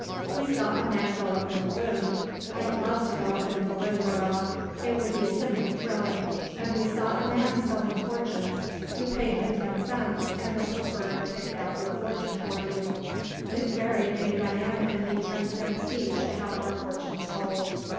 We saw a man go up in a balloon. I'd love to go up in a balloon, Marilla; it would be simply thrilling; and we saw a man selling fortunes. You paid him ten cents and a little bird picked out your fortune for you. Miss Barry gave Diana and me ten cents each to have our fortunes told.